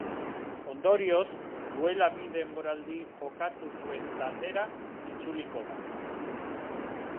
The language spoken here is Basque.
Ondorioz, duela bi denboraldi jokatu zuen taldera itzuliko da.